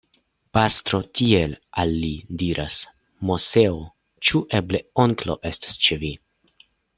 Pastro, tiel al li diras Moseo, ĉu eble onklo estas ĉe vi?